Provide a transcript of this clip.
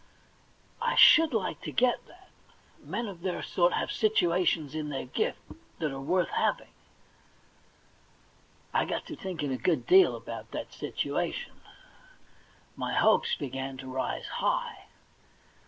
I THE £1,000,000 BANK NOTE ii should like to get that; men of their sort have situations in their gift that are worth having. I got to thinking a good deal about that situa tion. My hopes began to rise high.